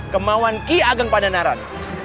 kemauan ki ageng pandanaran